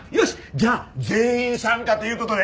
じゃあ全員参加という事で。